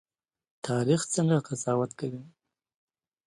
تاریخ څنګه قضاوت کوي؟